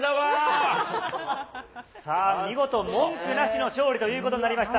さあ、見事文句なしの勝利ということになりました。